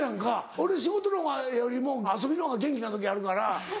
俺仕事の方よりも遊びの方が元気な時あるから。